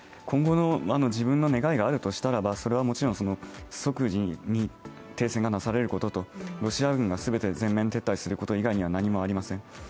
今後の自分の願いがあるとしたらばそれはもちろん即時に停戦がなされることとロシア軍が全て撤退すること以外に何もありません。